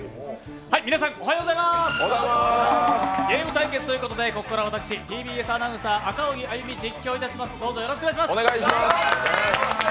皆さん、おはようございますゲーム対決ということでここから私、ＴＢＳアナウンサー赤荻歩、実況いたします。